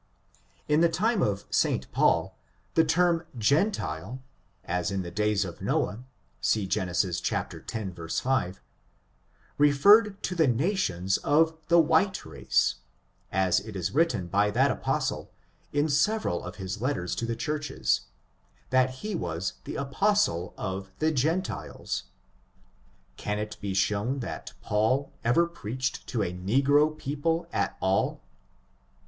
In the time of St. Paul, the term gentile (as in the days of Noah, see Gen. x, 5) referred to the na tions of the white race; as it is written by that apos tle, in several of his letters to the churches, that he was the apostle of the gentiles. Can it be shown that Paul ever preached to a negro people at all?